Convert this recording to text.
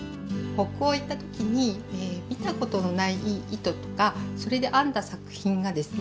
北欧行ったときに見たことのない糸とかそれで編んだ作品がですね